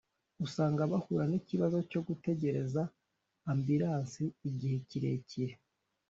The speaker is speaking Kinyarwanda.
usanga bahura n’ikibazo cyo gutegereza Ambiransi igihe kirekire